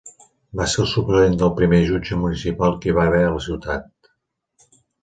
Va ser el suplent del primer jutge municipal que hi va haver a la ciutat.